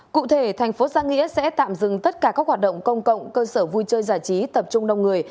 cụ thể thành phố giang nghĩa sẽ tạm dừng tất cả các hoạt động công cộng cơ sở vui chơi giải trí tập trung đông người